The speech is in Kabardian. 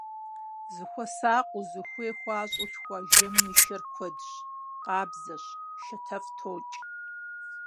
Зыхуэсакъыу, зыхуей хуащӀэу лъхуа жэмым и шэр куэдщ, къабзэщ, шатэфӀ токӀ.